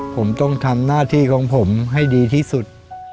ผมต้องทำหน้าที่ของผมให้ดีที่สุด